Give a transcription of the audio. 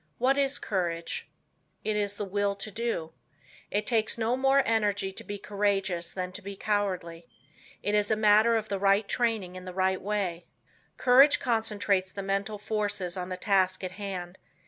What is courage? It is the Will To Do. It takes no more energy to be courageous than to be cowardly. It is a matter of the right training in the right way. Courage concentrates the mental forces on the task at hand.